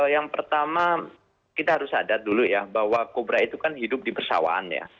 yang pertama kita harus sadar dulu ya bahwa kobra itu kan hidup di persawaan ya